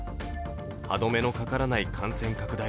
歯止めのかからない感染拡大